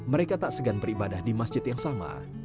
mereka tak segan beribadah di masjid yang sama